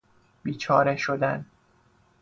بیچاره شدن